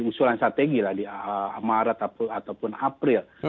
usulan strategi lah di maret ataupun april